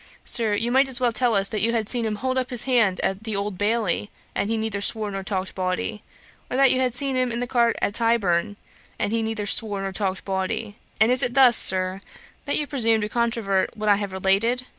Sir, you might as well tell us that you had seen him hold up his hand at the Old Bailey, and he neither swore nor talked bawdy; or that you had seen him in the cart at Tyburn, and he neither swore nor talked bawdy. And is it thus, Sir, that you presume to controvert what I have related?'